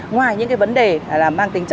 ngoài những vấn đề là mang trái phiếu